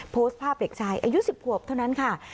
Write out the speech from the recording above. โพสต์ภาพเด็กชายอายุ๑๐ขวบเท่านั้นค่ะ